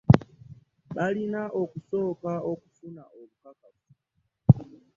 Balina okusooka okufuna obukakafu.